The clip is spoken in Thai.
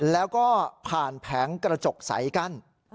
แล้วก็ผ่านแผงกระจกใสกั้น